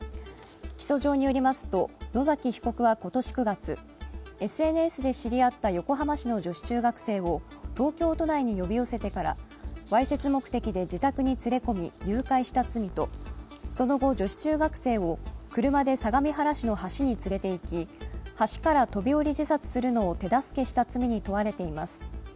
起訴状によりますと、野崎被告は今年５月ＳＮＳで知り合った横浜市の女子中学生を東京都内に呼び寄せてからわいせつ目的で自宅に連れ込み誘拐した罪とその後女子中学生を車で相模原市の橋に連れて行き橋から飛び降り自殺するのを手助けした罪に問われています。